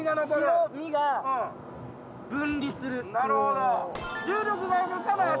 なるほど。